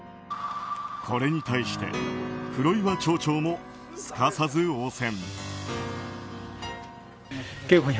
これに対して、黒岩町長もすかさず応戦。